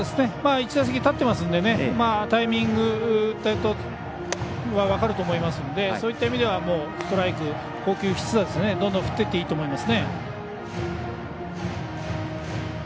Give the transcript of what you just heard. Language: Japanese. １打席、立ってますのでタイミングは分かると思いますのでそういった意味ではどんどん振っていっていいと思います。